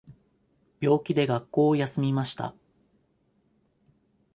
病気で学校を休みました。